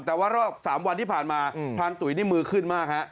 แต่ว่ารอบ๓วันที่ผ่านมาพรานตุ๋ยนี่มือขึ้นมากฮะ